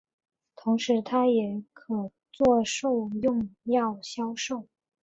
同时它也可作兽用药销售。